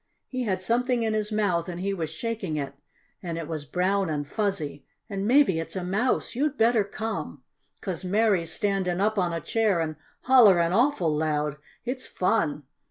He had something in his mouth and he was shaking it. And it was brown and fuzzy and maybe it's a mouse. You'd better come, 'cause Mary's standin' up on a chair and hollerin' awful loud. It's fun."